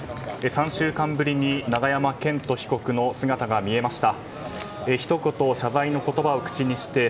３週間ぶりに永山絢斗被告の姿が見えました。